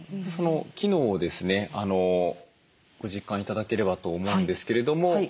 その機能をですねご実感頂ければと思うんですけれども。